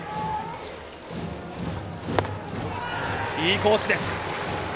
いいコースです。